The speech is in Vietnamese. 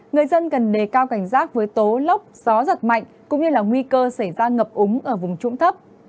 người dân cần đề cao cảnh giác với tố lốc gió giật mạnh cũng như là nguy cơ xảy ra ngập úng ở vùng trũng thấp